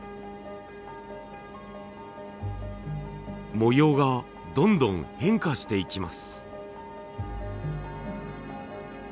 模様がどんどん変化していきます。